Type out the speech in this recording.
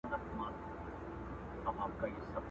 o خر د قندو په خوند څه پوهېږي٫